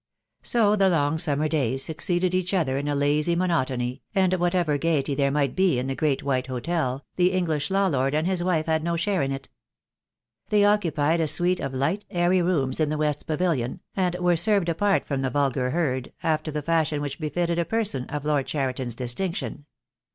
So the long summer days succeeded each other in a lazy monotony, and whatever gaiety there might be in the great white hotel, the English law lord and his wife had no share in it. They occupied a suite of light, airy rooms in the west pavilion, and were served apart from the vulgar herd, after the fashion which befitted a person of Lord Cheriton's distinction.